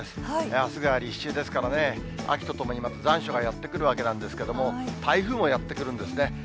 あすが立秋ですからね、秋と共に残暑がやって来るわけなんですけれども、台風もやって来るんですね。